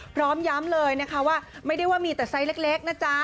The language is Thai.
พร้อมย้ำเลยนะคะว่าไม่ได้ว่ามีแต่ไซส์เล็กนะจ๊ะ